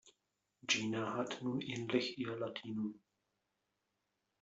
Gina hat nun endlich ihr Latinum.